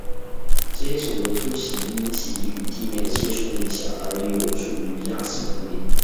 这些瘤状突起因其与地面的接触面积小而有助于压实路面。